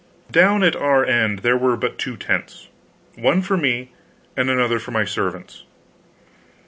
Down at our end there were but two tents; one for me, and another for my servants.